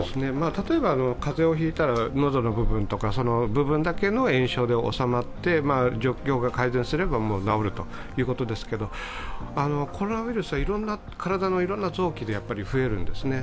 例えば風邪をひいたらのどの部分とか、部分だけの炎症でおさまって状況が改善すれば治るということですが、コロナウイルスは体のいろいろな臓器で増えるんですね。